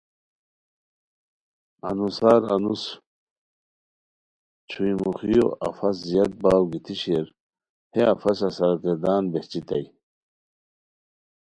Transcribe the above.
انوسار انوس چھوئی موخیو افس زیاد باؤ گیتی شیر ہے افسہ سرگردان بہچیتائے